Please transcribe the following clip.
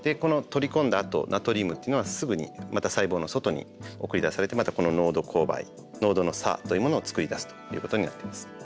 取り込んだあとナトリウムというのはすぐにまた細胞の外に送り出されてまたこの濃度勾配濃度の差というものを作り出すということになっています。